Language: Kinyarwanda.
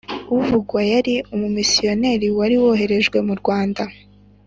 Uvugwa yari umumisiyonari wari waroherejwe mu Rwanda